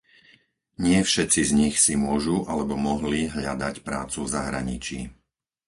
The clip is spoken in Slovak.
Nie všetci z nich si môžu alebo mohli hľadať prácu v zahraničí.